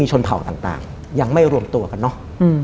ชนเผ่าต่างยังไม่รวมตัวกันเนอะ